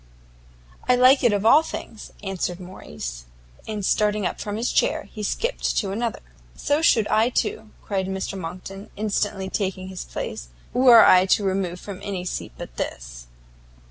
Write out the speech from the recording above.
"I like it of all things!" answered Morrice, and starting from his chair, he skipped to another. "So should I too," cried Mr Monckton, instantly taking his place, "were I to remove from any seat but this."